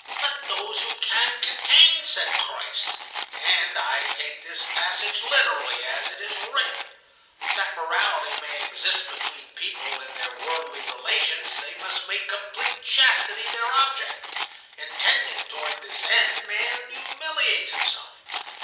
'Let those who can, contain,' said Christ. And I take this passage literally, as it is written. That morality may exist between people in their worldly relations, they must make complete chastity their object. In tending toward this end, man humiliates himself.